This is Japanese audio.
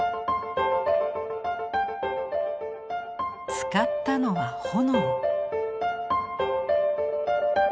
使ったのは炎。